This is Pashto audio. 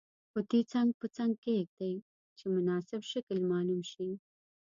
قطي څنګ په څنګ کیږدئ چې مناسب شکل معلوم شي.